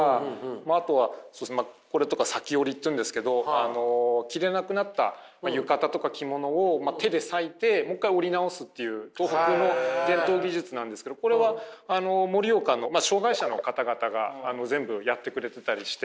あとはこれとか裂き織りっていうんですけど着れなくなった浴衣とか着物を手で裂いてもう一回織り直すっていう東北の伝統技術なんですけどこれは盛岡の障害者の方々が全部やってくれてたりして。